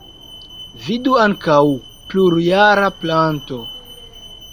Vidu ankaŭ: plurjara planto.